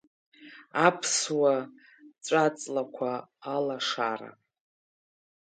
Аԥсуа ҵәа-ҵлақәа Алашара.